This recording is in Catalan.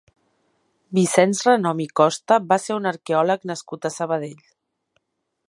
Vicenç Renom i Costa va ser un arqueòleg nascut a Sabadell.